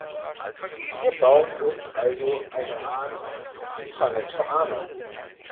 Wir bauen uns also so eine Art Intranet für Arme.